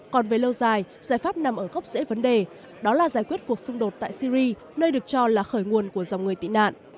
còn về lâu dài giải pháp nằm ở gốc rễ vấn đề đó là giải quyết cuộc xung đột tại syri nơi được cho là khởi nguồn của dòng người tị nạn